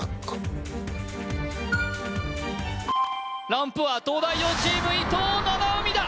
ランプは東大王チーム伊藤七海だ！